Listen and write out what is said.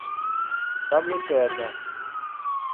ล้ำลึกเกินน่ะ